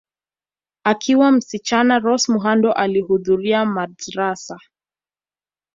Akiwa msichana Rose Muhando alihudhuria madrasa